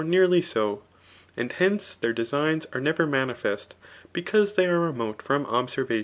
nearly so ; and henee their designs aie uitfer manifest* because tbey are remote [from observa^ tJM.